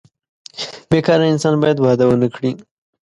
بې کاره انسان باید واده ونه کړي.